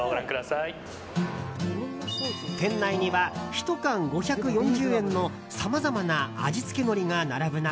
店内には１缶５４０円のさまざまな味付けのりが並ぶ中。